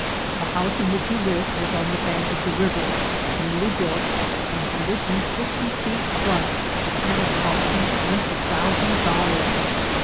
The house in which he lived was on the bank of the river, newly built, one hundred and fifty feet front, and had cost him twenty thousand dollars.